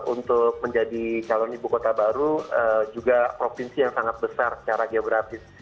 untuk menjadi calon ibu kota baru juga provinsi yang sangat besar secara geografis